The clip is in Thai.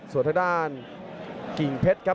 ส่วนทางด้านกิ่งเพชรครับ